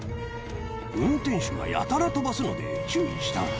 運転手がやたら飛ばすので注意した。